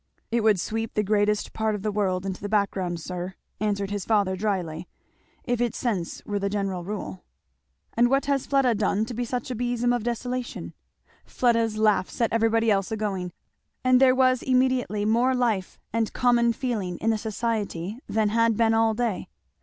"It would sweep the greatest part of the world into the background, sir," answered his father dryly, "if its sense were the general rule." "And what has Fleda done to be such a besom of desolation?" Fleda's laugh set everybody else a going, and there was immediately more life and common feeling in the society than had been all day.